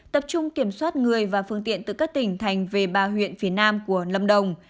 một trăm bốn mươi hai tập trung kiểm soát người và phương tiện từ các tỉnh thành về ba huyện phía nam của lâm đồng